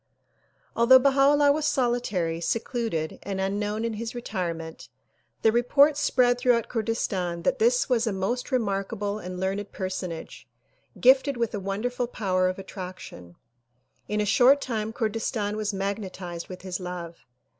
Although solitary, secluded and unknown in his retirement, the report spread throughout Kurdistan that this was a most remarkable and learned personage gifted with a wonderful power of attraction. In a short time Kurdistan was magnetized with his love.